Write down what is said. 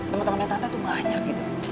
temen temennya tata tuh banyak gitu